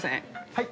はい。